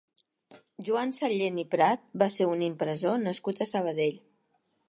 Joan Sallent i Prat va ser un impressor nascut a Sabadell.